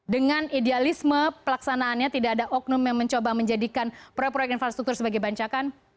dengan idealisme pelaksanaannya tidak ada oknum yang mencoba menjadikan proyek proyek infrastruktur sebagai bancakan